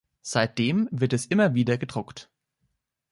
Seitdem wird es immer wieder gedruckt.